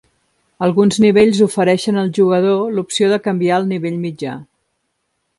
Alguns nivells ofereixen al jugador l’opció de canviar el nivell mitjà.